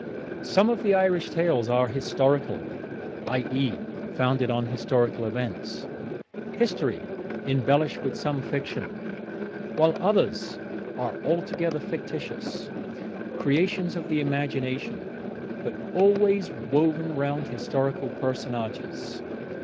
Some of the Irish tales are historical, i.e., founded on historical events history embellished with some fiction; while others are altogether fictitious creations of the imagination, but always woven round historical personages.